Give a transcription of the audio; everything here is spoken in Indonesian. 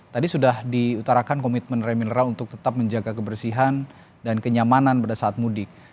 tadi sudah diutarakan komitmen reminneral untuk tetap menjaga kebersihan dan kenyamanan pada saat mudik